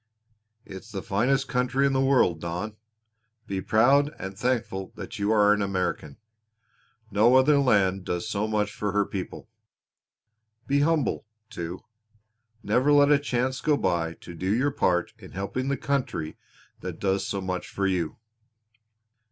"It's the finest country in the world, Don! Be proud and thankful that you are an American. No other land does so much for her people. Be humble, too. Never let a chance go by to do your part in helping the country that does so much for you."